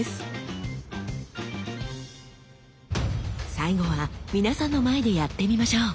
最後は皆さんの前でやってみましょう。